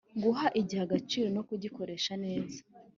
guha igihe agaciro no kugikoresha neza